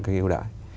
cái ưu đãi